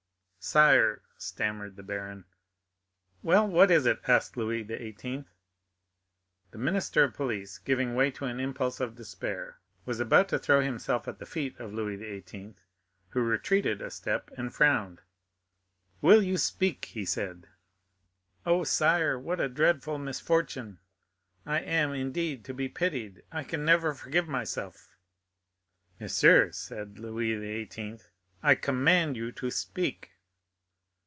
"Sire,——" stammered the baron. "Well, what is it?" asked Louis XVIII. The minister of police, giving way to an impulse of despair, was about to throw himself at the feet of Louis XVIII., who retreated a step and frowned. "Will you speak?" he said. "Oh, sire, what a dreadful misfortune! I am, indeed, to be pitied. I can never forgive myself!" "Monsieur," said Louis XVIII., "I command you to speak."